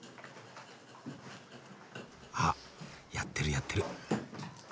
あっやってるやってる。